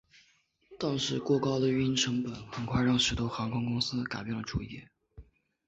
但是过高的运营成本很快让许多航空公司改变了主意。